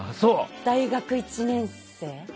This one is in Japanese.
大学１年生？